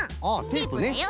テープだよ。